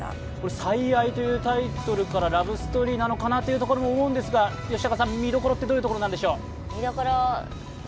「最愛」というタイトルからラブストーリーなのかなとも思うんですが見どころはどういうところなんでしょう？